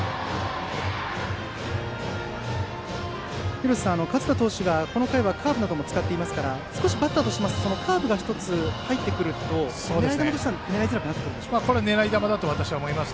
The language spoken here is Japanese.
廣瀬さん、勝田投手がこの回はカーブなども使っていますが少しバッターとしますとカーブが１つ入ってくると狙い球としてはそれが狙い球だと思います。